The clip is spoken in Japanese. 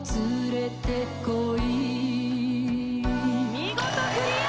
見事クリア！